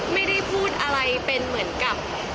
ไม่ได้พูดอะไรเป็นเหมือนกับ